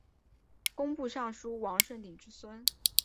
工部尚书王舜鼎之孙。